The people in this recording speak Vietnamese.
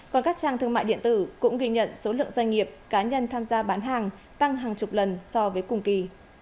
còn các trang thương mại điện tử cũng ghi nhận số lượng doanh nghiệp cá nhân tham gia bán hàng tăng hàng chục lần so với cùng kỳ